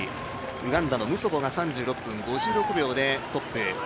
ウガンダのムソボが３６分５７秒でトップ。